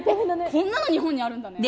こんなの日本にあるんだね。